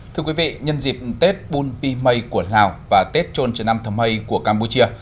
thưa quý vị nhân dịp tết bùn pì mây của lào và tết trôn trần nam thầm mây của campuchia